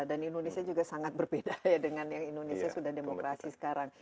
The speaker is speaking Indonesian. dan indonesia juga sangat berbeda ya dengan yang indonesia sudah demokrasi sekarang